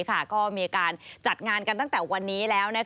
ก็มีการจัดงานกันตั้งแต่วันนี้แล้ว